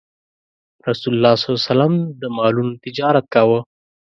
رسول الله ﷺ د مالونو تجارت کاوه.